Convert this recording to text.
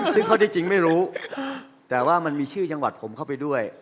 ซึ่งข้อที่จริงไม่รู้แต่ว่ามันมีชื่อจังหวัดผมเข้าไปด้วย